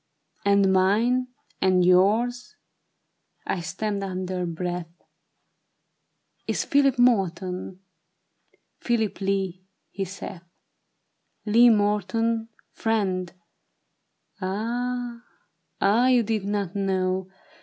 "And mine ?" "And yours," I stammered under breath, " Is Philip Morton." " Phihp Lee," he saith. " Lee Morton, friend ; ah, ah you did not know.